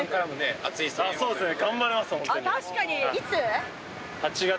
そうですね。